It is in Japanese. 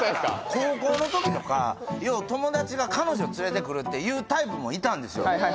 高校のときとかよう友達が彼女連れてくるっていうタイプもいたんですよ